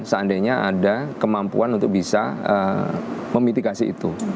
seandainya ada kemampuan untuk bisa memitigasi itu